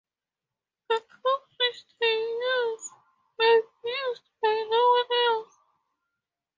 The cups which they use may be used by no one else.